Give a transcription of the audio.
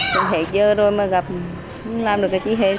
cũng hết giờ rồi mà làm được cái chi hết